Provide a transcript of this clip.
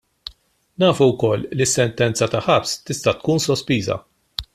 Nafu lkoll li sentenza ta' ħabs tista' tkun sospiża.